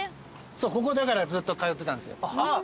ここだからずっと通ってたんですよ。